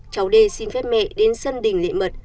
cháu đê xin phép mẹ đến sân đình lệ mật